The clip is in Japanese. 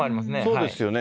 そうですよね。